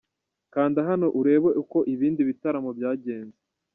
Kanda hano urebe uko ibindi bitaramo byagenze.